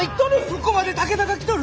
そこまで武田が来とる！